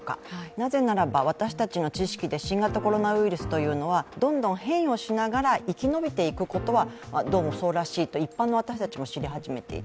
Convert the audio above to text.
なぜならば私たちの知識で新型コロナウイルスはどんどん変異をしながら生き延びていくことはどうもそうらしいと一般の私たちも知り始めている。